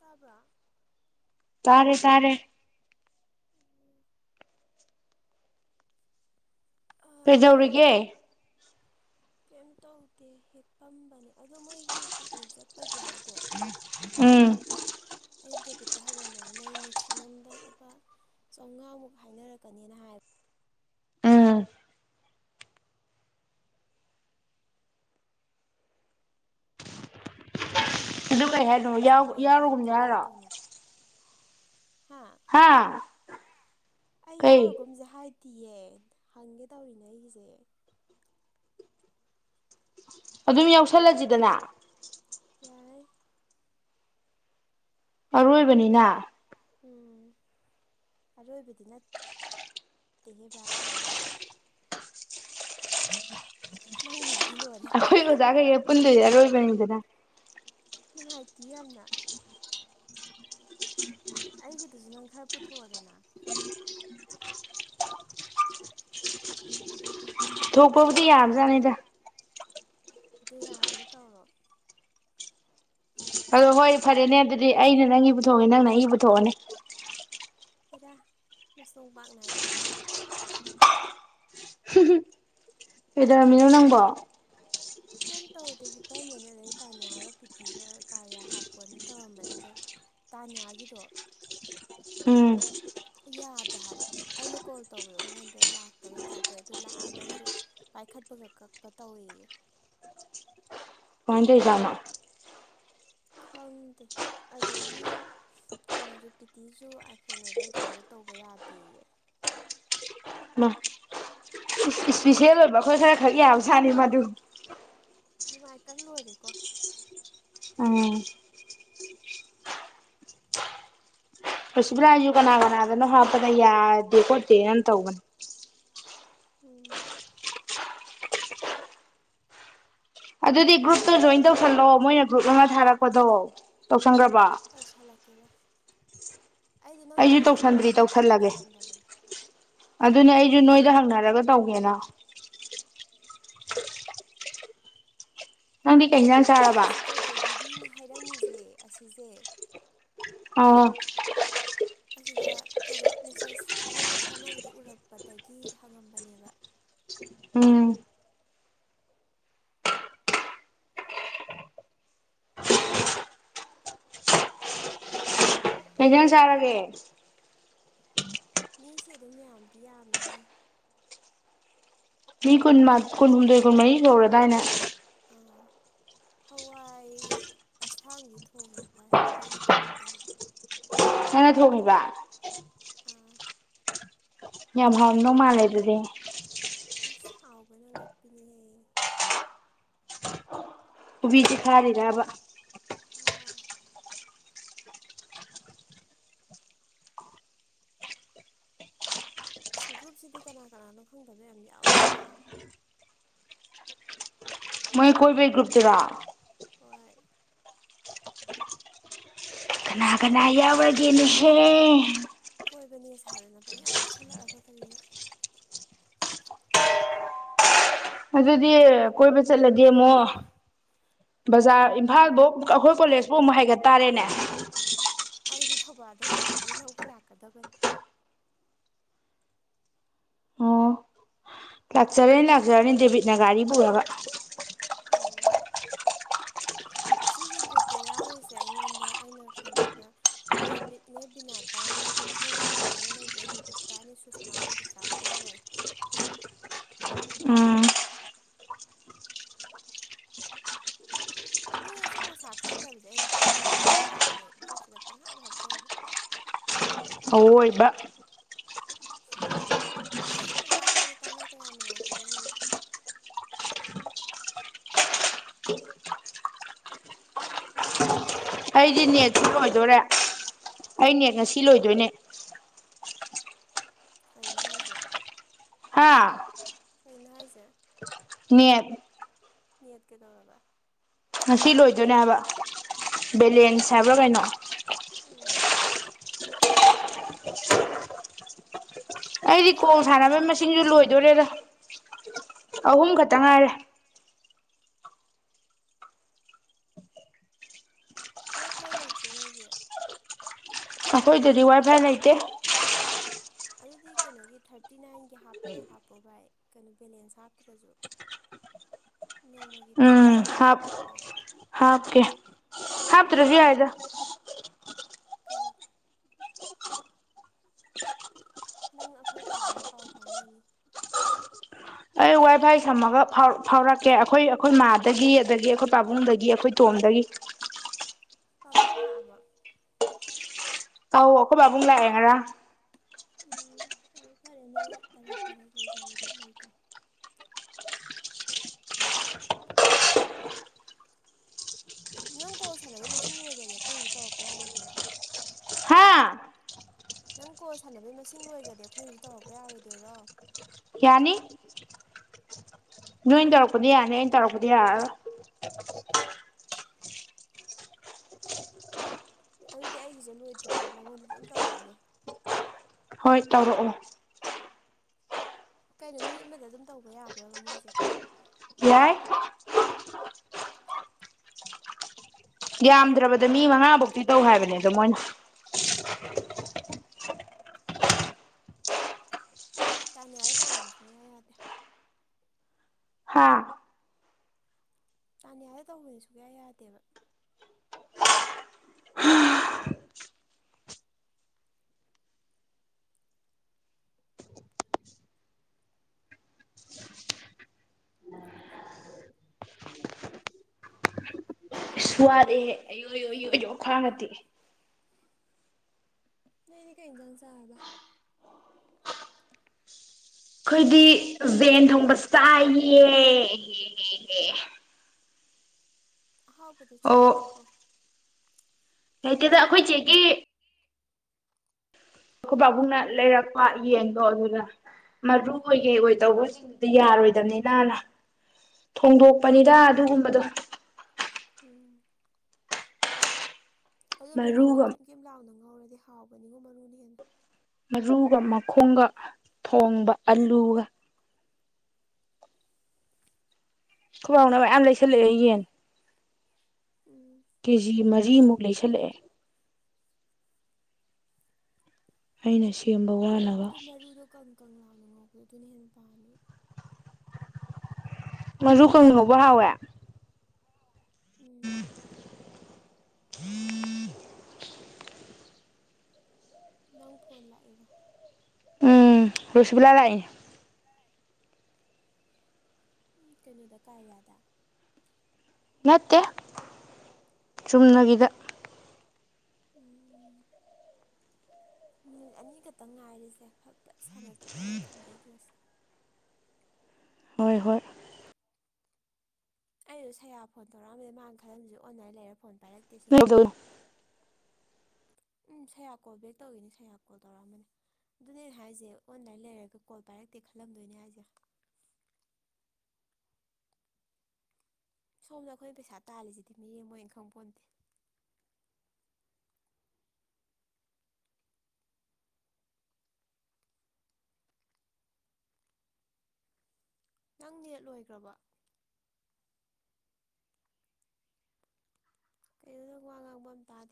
ꯇꯥꯕ꯭ꯔꯥ ꯇꯥꯔꯦ ꯇꯥꯔꯦ ꯀꯩꯗꯧꯔꯤꯒꯦ ꯀꯩꯝ ꯇꯧꯗꯦ ꯍꯤꯞꯄꯝꯕꯅꯦ ꯑꯗꯣ ꯃꯣꯏꯒꯤ ꯄꯤꯛꯅꯤꯛ ꯆꯠꯄꯒꯤ ꯍꯥꯏꯗꯣ ꯎꯝ ꯑꯩ ꯗꯦꯕꯤꯠꯇꯣ ꯍꯪꯉꯝꯕꯅꯤ ꯃꯣꯏ ꯃꯦꯛꯁꯤꯃꯝꯗ ꯂꯨꯄꯥ ꯆꯧꯉꯥꯃꯨꯛ ꯍꯥꯏꯅꯔꯛꯀꯅꯤꯅ ꯍꯥꯏ ꯎꯝ ꯑꯗꯨ ꯀꯩ ꯍꯥꯏꯅꯣ ꯑꯣꯖꯥꯈꯩꯅ ꯒꯥꯏꯠ ꯌꯥꯎꯔꯒꯨꯝꯁꯦ ꯇꯧꯔꯒ ꯍꯥꯏꯔꯣ ꯇꯧꯅꯤ ꯍꯥ ꯑꯩ ꯀꯩ ꯌꯥꯎꯔꯒꯨꯝꯁꯦ ꯍꯥꯏ ꯇꯤꯌꯦ ꯍꯪꯒꯦ ꯇꯧꯔꯤꯅꯦ ꯑꯩꯒꯤꯁꯦ ꯑꯗꯨꯝ ꯌꯥꯎꯁꯜꯂꯁꯤꯗꯅ ꯌꯥꯏ ꯑꯔꯣꯏꯕꯅꯤꯅ ꯎꯝ ꯑꯔꯣꯏꯕꯗꯤ ꯅꯠꯇꯦꯍꯦ ꯕꯥꯏ ꯅꯪꯒꯤꯕꯨ ꯑꯩꯈꯣꯏ ꯑꯣꯖꯥꯒꯩ ꯄꯨꯟꯅ ꯑꯔꯣꯏꯕꯅꯤꯗꯅ ꯅꯨꯡꯉꯥꯏꯇꯦ ꯌꯥꯝꯅ ꯑꯩꯒꯤꯗꯨꯁꯨ ꯅꯪ ꯈꯔ ꯄꯨꯊꯣꯛꯑꯣꯗꯅ ꯄꯨꯊꯣꯛꯄꯕꯨꯗꯤ ꯌꯥꯝꯕꯖꯥꯠꯅꯤꯗ ꯑꯗꯨ ꯌꯥꯕꯅꯤ ꯇꯧꯔꯣ ꯑꯗꯣ ꯍꯣꯏ ꯐꯔꯦꯅꯦ ꯑꯗꯨꯗꯤ ꯑꯩꯅ ꯅꯪꯒꯤ ꯄꯨꯊꯣꯛꯑꯒꯦ ꯅꯪꯅ ꯑꯩꯒꯤ ꯄꯨꯊꯣꯛꯑꯣꯅꯦ ꯍꯦꯔꯥ ꯃꯆ‌ꯣꯡ ꯄꯥꯠ ꯅꯥꯏꯗꯕ ꯋꯥ ꯀꯩꯗꯧꯔꯝꯃꯤꯅꯣ ꯅꯪꯕꯣ ꯀꯩꯝ ꯇꯧꯗꯦ ꯍꯤꯞꯄꯝꯕꯅꯦ ꯑꯗꯩ ꯇꯥꯅꯤꯌꯥꯒ ꯄꯔꯤꯇꯤꯒ ꯀꯥꯔꯤꯌꯥ ꯍꯥꯞꯄꯣꯅ ꯇꯧꯔꯝꯕꯅꯦ ꯑꯗꯣ ꯇꯥꯅꯤꯌꯥꯒꯤꯗꯣ ꯎꯝ ꯌꯥꯗꯦ ꯍꯥꯏꯕ ꯑꯩꯅ ꯀꯣꯜ ꯇꯧꯕꯗꯣ ꯃꯉꯣꯟꯗ ꯂꯥꯛꯇꯕꯩ ꯇꯥꯏꯞ ꯇꯧꯏ ꯑꯗꯨ ꯂꯥꯛꯑꯒꯁꯨ ꯄꯥꯏꯈꯠꯄꯒ ꯀꯛꯄ ꯇꯧꯋꯤ ꯌꯦ ꯀꯃꯥꯏ ꯇꯧꯔꯤꯖꯠꯅꯣ ꯈꯪꯗꯦ ꯑꯗꯒꯤ ꯀꯩꯅꯣꯁꯨ ꯄꯔꯤꯇꯤꯁꯨ ꯑꯥꯏꯐꯣꯟ ꯑꯣꯏꯕꯩ ꯗꯥꯎꯟꯂꯣꯗ ꯇꯧꯕ ꯌꯥꯗꯦꯌꯦ ꯑꯩꯃꯥ ꯏꯁꯄꯤꯁꯦꯜ ꯑꯣꯏꯕ ꯑꯩꯈꯣꯏ ꯈꯔ ꯈꯛ ꯌꯥꯕꯖꯥꯠꯅꯤ ꯃꯗꯨ ꯅꯨꯡꯉꯥꯏꯇꯕꯅ ꯂꯣꯏꯔꯦꯀꯣ ꯎꯝ ꯔꯣꯁꯤꯕꯤꯅꯒꯤꯁꯨ ꯀꯅꯥ ꯀꯅꯥꯗꯅꯣ ꯍꯥꯞꯄꯒ ꯌꯥꯗꯦ ꯈꯣꯠꯇꯦ ꯌꯥꯝ ꯇꯧꯕꯅꯤ ꯎꯡ ꯑꯗꯨꯗꯤ ꯒ꯭ꯔꯨꯞꯇꯨ ꯖꯣꯏꯟ ꯇꯧꯁꯜꯂꯣꯑꯣ ꯃꯣꯏꯅ ꯒ꯭ꯔꯨꯞ ꯑꯃ ꯊꯥꯔꯛꯄꯗꯣ ꯇꯧꯁꯟꯈ꯭ꯔꯕ ꯇꯧꯁꯂꯜꯛꯀꯦꯕ ꯑꯩꯁꯨ ꯇꯧꯁꯟꯗ꯭ꯔꯤ ꯑꯗꯨꯏ ꯇꯧꯁꯜꯂꯒꯦ ꯇꯧꯔꯝꯗꯕꯅꯤ ꯑꯗꯨꯅꯦ ꯑꯩꯁꯨ ꯅꯣꯏꯗ ꯎꯝ ꯍꯪꯅꯔꯒ ꯇꯧꯒꯦꯅ ꯅꯪ ꯗꯤ ꯀꯩ ꯏꯟꯖꯥꯡ ꯑꯩꯅ ꯆꯥꯔꯕ ꯁꯤ ꯀꯩꯗꯧꯕꯤꯔꯤꯅ ꯍꯥꯏꯔꯝꯃꯤꯁꯦ ꯑꯁꯤꯁꯦ ꯑꯣ ꯑꯁꯤꯗ ꯀꯩꯅꯣ ꯃꯦꯁꯦꯁ ꯒ꯭ꯔꯨꯞꯇ ꯊꯥꯅꯕꯗꯨꯣ ꯎꯔꯛꯄꯗꯒꯤ ꯍꯪꯉꯝꯕꯅꯦꯕ ꯎꯝ ꯀꯩ ꯍꯤꯟꯖꯥꯡ ꯆꯥꯔꯒꯦ ꯃꯤꯁꯦ ꯑꯗꯨꯝ ꯌꯥꯝꯗꯤ ꯌꯥꯝꯃꯦꯍꯦ ꯃꯤ ꯀꯨꯟ ꯀꯨꯟꯍꯨꯝꯗꯣꯏ ꯀꯨꯟꯃꯔꯤ ꯁꯨꯍꯧꯔꯗꯥꯏꯅ ꯍꯋꯥꯏ ꯑꯁꯥꯡꯕꯤ ꯊꯣꯡꯉꯦ ꯚꯥꯏ ꯑꯩꯅ ꯊꯣꯡ ꯗꯩ ꯅꯪꯅ ꯊꯣꯡꯉꯤꯕ ꯌꯥꯝ ꯍꯥꯎꯔꯝꯗꯧ ꯃꯥꯜꯂꯦ ꯑꯗꯨꯗꯤ ꯑꯁ ꯍꯥꯎꯕꯅ ꯉꯛꯄꯤꯅꯤꯍ‌ꯦ ꯈꯨꯕꯤ ꯆꯤꯛꯈꯥꯏꯅꯤ ꯅꯥꯕ ꯒ꯭ꯔꯨꯞꯁꯤꯗꯤ ꯀꯅꯥ ꯀꯅꯥꯅꯣ ꯈꯪꯗꯕ ꯌꯥꯝ ꯌꯥꯎꯋꯤꯅ ꯃꯣꯏ ꯀꯣꯏꯕꯩ ꯒ꯭ꯔꯨꯞꯇꯨꯔ‌ꯣ ꯍꯣꯏ ꯀꯅꯥ ꯀꯅꯥ ꯌꯥꯎꯔꯒꯦꯅ‌ꯦ ꯍꯦ ꯑꯣꯏꯕꯅꯦ ꯁꯥꯥꯟꯗꯅ ꯄꯪ ꯌꯥꯝ ꯌꯥꯎꯁꯜꯂꯛꯑꯕ ꯀꯔꯤꯅꯣ ꯑꯗꯨꯗꯤ ꯀꯣꯏꯕ ꯆꯠꯂꯗꯤ ꯑꯃꯨꯛ ꯕꯖꯥꯔ ꯏꯝꯐꯥꯜꯗꯣ ꯑꯩꯈꯣꯏ ꯀꯣꯂꯦꯖꯄꯥꯎ ꯑꯃꯨꯛ ꯍꯥꯏꯒꯠ ꯇꯥꯔꯦꯅꯦ ꯑꯩꯗꯤ ꯊꯧꯕꯥꯜꯗ ꯉꯥꯏꯔꯝꯅꯤ ꯂꯧꯕ ꯂꯥꯛꯀꯗꯕꯅꯤ ꯑꯣ ꯂꯥꯛꯆꯔꯅꯤ ꯂꯥꯛꯆꯔꯅꯤ ꯗꯦꯕꯤꯠꯅ ꯒꯥꯔꯤ ꯄꯨꯔꯒ ꯎꯝ ꯁꯤꯒꯤ ꯒ꯭ꯔꯨꯞꯇ ꯌꯥꯎꯔꯤꯁꯦ ꯑꯩꯉꯣꯟꯗ ꯑꯩꯅ ꯈꯪꯕꯗ ꯗꯦꯕꯤꯠꯅꯦ ꯕꯤꯅꯥꯇꯥꯅꯦ ꯍꯦꯟꯊꯣꯏ ꯉꯝꯕꯤꯅ ꯑꯃ ꯂꯩꯕꯗ ꯅꯤꯕꯤꯇꯥꯅꯦ ꯁꯨꯁꯃꯥꯅꯦ ꯕꯤꯀꯥꯁꯅꯦ ꯂꯣꯏꯔꯦ ꯃꯤ ꯃꯁꯛ ꯃꯁꯥ ꯈꯪꯗꯕꯁꯦ ꯑꯩꯅ ꯍꯥꯞꯀꯅꯨꯕꯨ ꯌꯥꯗꯦ ꯃꯣꯏ ꯒ꯭ꯔꯨꯞꯁꯤꯗ ꯄꯪꯍꯥꯞ ꯍꯥꯞꯆꯜꯂꯦ ꯑꯣꯏꯕ ꯁꯤ ꯑꯁ ꯋꯥ ꯍꯥꯏꯅ ꯇꯥꯅ ꯀꯌꯥ ꯅꯨꯡꯉꯥꯏꯇꯦꯗ ꯃꯣꯏꯁꯦ ꯑꯩꯗꯤ ꯅꯦꯠꯁꯨ ꯂꯣꯏꯗꯣꯔꯦ ꯑꯩ ꯅꯦꯠ ꯉꯁꯤ ꯂꯣꯏꯗꯣꯏꯅꯦ ꯀꯩꯅ‌ꯣ ꯍꯥꯏꯁꯦ ꯍꯥꯥ ꯀꯩꯅꯣ ꯍꯥꯏꯁꯦ ꯃꯤ ꯍꯠꯀꯗꯧꯔꯔꯕ ꯉꯁꯤ ꯂꯣꯏꯗꯣꯏꯅꯦ ꯍꯥꯏꯕ ꯕꯦꯂꯦꯟꯁ ꯍꯥꯏꯕ꯭ꯔꯥ ꯀꯩꯅꯣ ꯎꯝ ꯑꯩꯗꯤ ꯅꯣꯏ ꯈꯣꯡ ꯋꯥꯏ ꯐꯥꯏ ꯁꯥꯟꯅꯕꯒꯤ ꯃꯁꯤꯡꯁꯨ ꯂꯣꯏꯗꯣꯔꯦꯗ ꯑꯍꯨꯝ ꯈꯛꯇꯪ ꯉꯥꯏꯔꯦ ꯋꯥꯏ ꯐꯥꯏ ꯂꯩꯇ꯭ꯔꯣ ꯅꯣꯏꯒꯤ ꯑꯩꯈꯣꯏꯗꯗꯤ ꯋꯥꯏ ꯐꯥꯏ ꯂꯩꯇꯦ ꯑꯗꯨꯗꯤ ꯀꯩꯅꯣꯒꯤ ꯊꯥꯔꯇꯤ ꯅꯥꯏꯟꯒꯤ ꯍꯥꯞꯄꯗꯣ ꯍꯥꯞꯄꯣ ꯚꯥꯏ ꯀꯩꯅꯣ ꯕꯦꯂꯦꯟꯁ ꯍꯥꯞꯇ꯭ꯔꯁꯨ ꯅꯣꯡꯃꯒꯤ ꯊ꯭ꯔꯤ ꯖꯤꯕꯤ ꯍꯥꯞ ꯄꯔ ꯍꯥꯞꯀꯦ ꯍꯥꯞ ꯔꯚ ꯍꯥꯏꯗ ꯀꯩ ꯅꯪ ꯑꯩꯈꯣꯏ ꯀꯃꯥꯏꯅ ꯄꯥꯎ ꯐꯥꯎꯅꯅꯤ ꯑꯩ ꯋꯥꯏ ꯐꯥꯏ ꯁꯝꯃꯒ ꯐꯥꯎꯔꯛꯀꯦ ꯑꯩꯈꯣꯏ ꯑꯩꯈꯣꯏ ꯃꯥꯗꯒꯤ ꯑꯗꯒꯤ ꯑꯩꯈꯣꯏ ꯄꯥꯕꯨꯡꯗꯒꯤ ꯑꯩꯈꯣꯏ ꯇꯣꯝꯗꯒꯤ ꯄꯥꯕꯨꯡꯡꯂꯥꯛ ꯑꯕꯣ ꯑ ꯑꯣꯀꯣꯏ ꯥꯕꯨꯡ ꯂꯥꯛꯑꯦꯉ ꯎꯝ ꯐꯔꯦ ꯐꯔꯦ ꯅꯣꯏ ꯇꯔꯥꯛ ꯇꯔꯛ ꯂꯩꯖꯕꯗꯣ ꯂꯩꯇ꯭ꯔꯦ ꯅꯪ ꯀꯣ ꯁꯥꯟꯅꯕꯩ ꯃꯁꯤꯡ ꯂꯣꯏꯈ꯭ꯔꯗꯤ ꯑꯩꯈꯣꯏꯅꯁꯨ ꯇꯧꯔꯛꯄ ꯌꯥꯔꯣꯏꯗꯣꯏꯔꯥ ꯍꯥ ꯅꯪ ꯀꯣ ꯁꯥꯟꯅꯕꯩ ꯃꯁꯤꯡ ꯂꯣꯏꯈ꯭ꯔꯗꯤ ꯑꯩꯈꯣꯏꯅꯁꯨ ꯇꯧꯔꯛꯄ ꯌꯥꯔꯣꯏꯗꯣꯏꯔꯣ ꯌꯥꯅꯤ ꯅꯣꯏ ꯇꯧꯔꯛꯄꯗꯤ ꯎꯝ ꯌꯥꯅꯤ ꯑꯩꯅ ꯇꯧꯔꯛꯄꯗꯤ ꯌꯥꯔꯣꯏ ꯑ ꯑꯗꯨꯗꯤ ꯑꯩꯒꯤꯁꯦ ꯂꯣꯏꯗ꯭ꯔꯤꯐꯥꯎ ꯅꯪꯉꯣꯟꯗ ꯑꯗꯨꯝ ꯇꯧꯔꯛꯑꯒꯦ ꯍꯣꯏ ꯇꯧꯔꯛꯑꯣ ꯀꯩꯅꯣ ꯃꯤ ꯑꯃꯗ ꯑꯗꯨꯝ ꯇꯧꯕ ꯌꯥꯕ꯭ꯔꯕ ꯃꯣꯏꯁꯦ ꯌꯥꯏ ꯎꯝ ꯌꯥꯝꯗ꯭ꯔꯕꯗ ꯃꯤ ꯃꯉꯥꯕꯨꯧ ꯤ ꯇꯧ ꯍꯥꯏꯕꯅꯦ ꯑꯗꯣ ꯃꯣꯏꯅ ꯆꯥꯅꯤꯌꯥꯗ ꯇꯧꯕꯅ ꯁꯨꯡꯌꯥ ꯌꯥꯗꯦ ꯍꯥ ꯆꯥꯅꯤ ꯍꯥꯏꯗ ꯇꯧꯕꯗꯤꯁꯨꯨ ꯀꯌꯥ ꯌꯥꯗꯦꯕ ꯁ꯭ꯋꯥꯗꯦꯍꯦ ꯑꯌꯨ ꯏꯌꯣꯏ ꯌ ꯌꯣꯛ ꯈ꯭ꯋꯥꯡꯉꯗꯤꯦ ꯅꯅꯦ ꯀꯩ ꯏꯟꯖꯥꯡ ꯆꯥꯔꯕ ꯑꯩꯈꯣꯏꯗꯤ ꯚꯦꯟ ꯊꯣꯡꯕ ꯆꯥꯏꯌꯦꯦꯍꯦꯍꯦꯍꯦ ꯑꯍꯥꯎꯕꯗ ꯆꯥ ꯑꯣ ꯂꯩꯔꯕꯣ ꯂꯩꯩꯇꯦꯗ ꯑꯩꯈꯣꯏ ꯆꯦꯒꯤ ꯑꯩꯈꯣꯏ ꯄꯥꯕꯨꯡꯅ ꯂꯩꯔꯛꯄ ꯌꯦꯟꯗꯣ ꯑꯗꯨꯒ ꯃꯔꯨ ꯑꯣꯏꯒꯦ ꯑꯣꯏꯗꯧꯕꯁꯤꯡꯗꯨꯗꯤ ꯌꯥꯔꯣꯏꯗꯕꯅꯤꯅꯅ ꯎꯝ ꯊꯣꯡꯗꯣꯛꯄꯅꯤꯗ ꯑꯗꯨꯒꯨꯝꯕꯗꯣ ꯎꯝ ꯑꯗꯣ ꯃꯔꯨꯗꯣ ꯃꯔꯨꯒ ꯀꯩꯝ ꯀꯩ ꯂꯥꯎꯅ ꯉꯧꯔꯗꯤ ꯍꯥꯎꯕꯅꯤꯉꯣ ꯃꯔꯨꯅ ꯍꯦꯟꯅ ꯃꯔꯨꯒ ꯃꯈꯣꯡꯒ ꯊꯣꯡꯕ ꯑꯂꯨꯒ ꯈꯨꯕꯥꯎꯅꯕ ꯌꯥꯝꯌꯥꯝ ꯂꯩꯁꯜꯂꯛꯑꯦ ꯌꯦꯟ ꯎꯝ ꯈꯂꯑꯦ ꯍꯥꯏꯅ ꯁꯤ ꯀꯦꯝꯕ ꯋꯥꯅꯕ ꯀꯪꯂꯥꯗ ꯉꯧꯕꯗ ꯑꯗꯨꯅ ꯍꯦꯟꯅ ꯄꯥꯝꯃꯦ ꯃꯖꯨꯈꯨꯝꯉꯕ ꯍꯋꯦ ꯎꯝ ꯂꯧ ꯐꯣꯟ ꯂꯥꯛꯏꯦꯕꯣ ꯎꯝ ꯔꯁꯒꯨꯜꯂꯥ ꯂꯥꯏ ꯀꯩꯅꯣꯗ ꯀꯥꯔꯤꯌꯥꯗ ꯅꯠꯇ ꯆꯨꯝꯅꯒ ꯗ ꯎꯝ ꯃꯤꯅꯤꯠ ꯑꯅꯤ ꯈꯛꯇꯪ ꯉꯥꯏꯔꯤꯁꯦ ꯐꯠ ꯐꯠ ꯁꯥꯟꯅꯊꯣꯛꯑꯒ ꯊꯝꯕꯤꯈ꯭ꯔꯁꯤ ꯍꯣꯏ ꯍꯣꯏ ꯑꯩꯁꯨ ꯁꯌꯥ ꯐꯣꯟ ꯇꯧꯔꯛꯑꯝꯕꯗ ꯃ ꯃꯥꯅ ꯈꯜꯂꯝꯃꯤꯁꯨ ꯑꯣꯟꯅꯥꯏ ꯂꯩꯔꯦ ꯐꯣꯟ ꯚꯔꯛꯇꯀꯤꯁꯤꯅ ꯎꯝ ꯁꯌꯥ ꯀꯣꯜ ꯕꯦꯛ ꯇꯧꯈꯤꯅꯤ ꯁꯌꯥ ꯀꯣꯜ ꯇꯧꯔꯛꯑꯝꯕꯅꯦ ꯑꯗꯨꯅꯦꯩꯅ ꯍꯥꯏꯁꯦ ꯑꯣꯟꯂꯥꯏꯟ ꯂꯩꯔꯒ ꯀꯣꯜ ꯄꯥꯏꯔꯛꯇꯦ ꯈꯜꯂꯝꯗꯣꯏꯅꯦ ꯍꯥꯏꯁꯦ ꯁꯣꯝꯗ ꯑꯩꯈꯣꯏꯅ ꯄꯩꯁꯥ ꯇꯥꯜꯂꯤꯁꯤꯗꯤ ꯃꯤꯠꯌꯦꯡ ꯑꯃ ꯑꯣꯏꯅ ꯈꯪ ꯄꯣꯟꯣꯟꯗꯦ ꯅꯪ ꯅꯦꯠꯂꯣꯏꯈ꯭ꯔꯕ ꯋꯥ ꯇꯥꯗꯤ